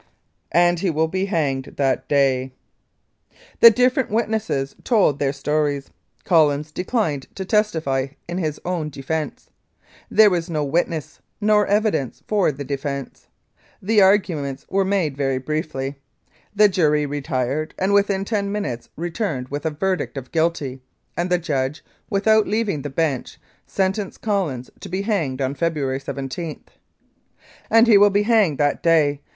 "AND HE WILL BE HANGED ' THAT DAY ' "The different witnesses told their stories. Collins declined to testify in his own defence. There was no witness nor evidence for the defence. The arguments were made very briefly. The jury retired, and within ten minutes returned with a verdict of guilty, and the judge, without leaving the bench, sentenced Collins to be hanged on February 17. "And he will be hanged that day.